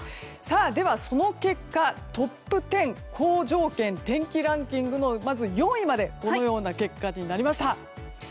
では、その結果トップ１０好条件天気ランキングのまず４位まではこのような結果になりました。